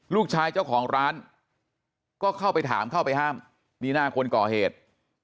ลูกชายเจ้าของร้านก็เข้าไปถามเข้าไปห้ามนี่หน้าคนก่อเหตุ